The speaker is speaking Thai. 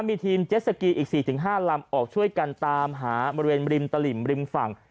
มีทีมเจ็ดสกีอีก๔๕ลำออกช่วยกันตามหาบริเวณริมตลิ่มริมฝั่ง